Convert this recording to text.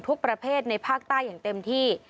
ประเภทในภาคใต้อย่างเต็มที่